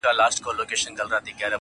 o د هوښيار سړي غبرگ غاښونه وزي٫